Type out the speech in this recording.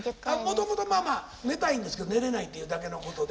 もともとまあまあ寝たいんですけど寝れないっていうだけのことで。